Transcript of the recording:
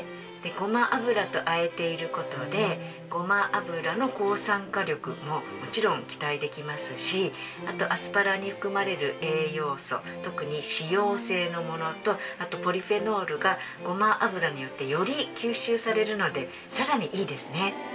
ごま油とあえている事でごま油の抗酸化力ももちろん期待できますしあとアスパラに含まれる栄養素特に脂溶性のものとあとポリフェノールがごま油によってより吸収されるのでさらにいいですね。